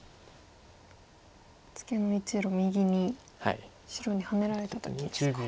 ツケの１路右に白にハネられた時ですか。